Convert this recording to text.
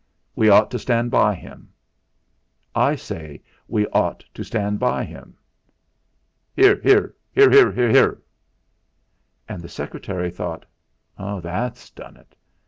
We ought to stand by him; I say, we ought to stand by him." ("Hear, hear! Hear, hear!") And the secretary thought: 'That's done it!'